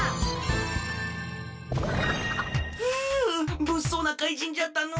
ふうぶっそうな怪人じゃったのう。